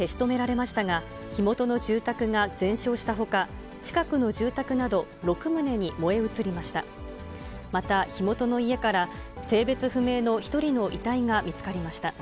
また火元の家から性別不明の１人の遺体が見つかりました。